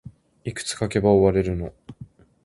いくつ書けば終われるの